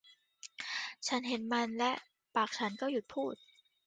ฉันเห็นมันและปากฉันก็หยุดพูด